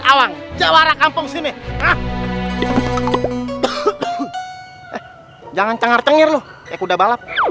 awang jawara kampung sini jangan cengar cengir lu kayak kuda balap